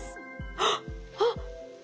あっあっ！